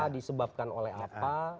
disebabkan oleh apa